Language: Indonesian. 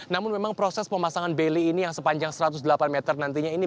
namun memang proses pemasangan baily ini yang sepanjang satu ratus delapan meter nantinya ini